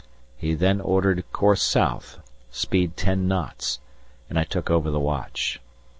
He then ordered course south, speed ten knots, and I took over the watch.